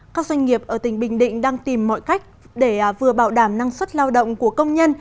các doanh nghiệp ở tỉnh bình định đang tìm mọi cách để vừa bảo đảm năng suất lao động của công nhân